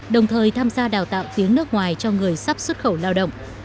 đồng thời tham gia đào tạo tiếng nước ngoài cho người sắp xuất khẩu lao động